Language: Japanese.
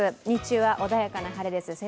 日中は穏やかな晴れです。